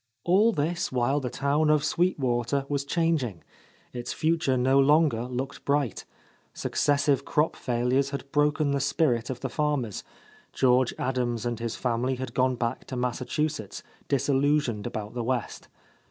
All this while the town of Sweet Water was changing. Its future no longer looked bright. Successive crop failures had broken the spirit of the farmers. George Adams and his family had gone back to Massachusetts, disillusioned about the West.